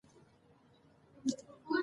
قبول شوي لاسوندونه ایډیټ کیږي.